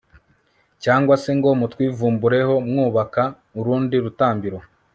cyangwa se ngo mutwivumbureho mwubaka urundi rutambiro